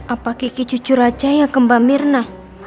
apa kiki cucu raca yang kemba mirna